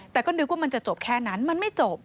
แต่ก็นึกว่ามันจะจบแค่นั้นมันไม่จบ